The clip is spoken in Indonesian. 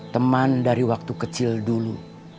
teman dari waktu kecil dulu